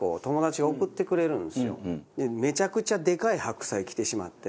めちゃくちゃでかい白菜来てしまって。